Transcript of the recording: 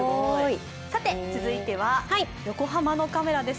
続いては横浜のカメラです。